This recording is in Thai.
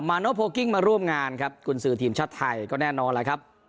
โนโพลกิ้งมาร่วมงานครับกุญสือทีมชาติไทยก็แน่นอนแล้วครับ